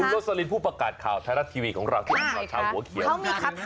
คุณโรสลินผู้ประกาศข่าวท้ายรัฐทีวีของเราชาวหัวเขียวเขามีคาถา